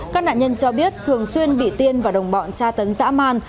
các nạn nhân cho biết thường xuyên bị tiên và đồng bọn tra tấn dã man